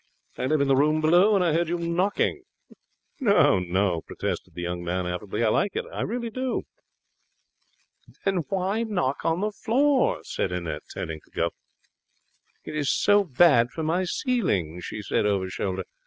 I live in the room below, and I heard you knocking.' 'No, no,' protested the young man, affably; 'I like it. Really I do.' 'Then why knock on the floor?' said Annette, turning to go. 'It is so bad for my ceiling,' she said over shoulder.